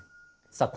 さあ